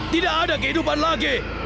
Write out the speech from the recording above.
tidak ada kehidupan lagi